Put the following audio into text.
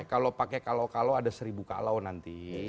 kalau pakai kalau kalau ada seribu kalau nanti